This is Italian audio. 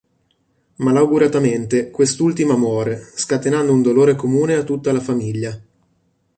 Malauguratamente quest'ultima muore, scatenando un dolore comune a tutta la famiglia.